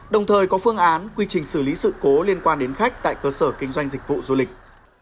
đồng thời có phương án quy trình xử lý sự cố liên quan đến khách tại cơ sở kinh doanh dịch vụ du lịch